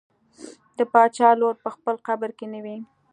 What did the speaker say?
د باچا لور په خپل قبر کې نه وي.